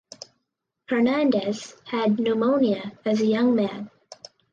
Hernandez had pneumonia as young man.